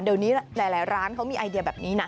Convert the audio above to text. เดี๋ยวนี้หลายร้านเขามีไอเดียแบบนี้นะ